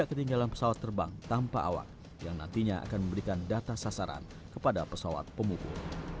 ketinggalan pesawat terbang tanpa awak yang nantinya akan memberikan data sasaran kepada pesawat pemukul